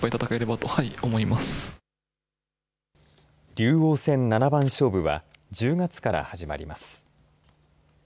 竜王戦七番勝負は１０月から始まります。